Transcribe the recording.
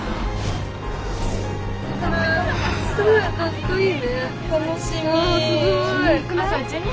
かっこいいね。